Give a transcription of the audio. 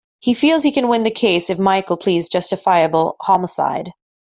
He feels he can win the case if Michael pleads justifiable homicide.